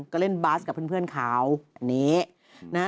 ก็เล่นบาสกับเพื่อนขาวแบบนี้